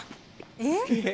えっ⁉